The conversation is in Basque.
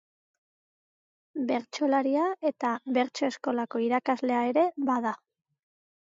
Bertsolaria eta bertso-eskolako irakaslea ere bada.